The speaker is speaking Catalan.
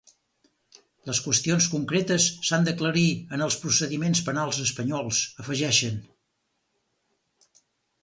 Les qüestions concretes s’han d’aclarir en els procediments penals espanyols, afegeixen.